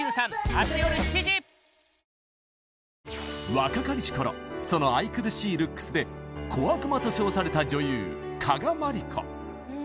若かりし頃その愛くるしいルックスで小悪魔と称された女優加賀まりこ